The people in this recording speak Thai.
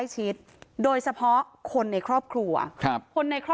ชุมชนแฟลต๓๐๐๐๐คนพบเชื้อ๓๐๐๐๐คนพบเชื้อ๓๐๐๐๐คน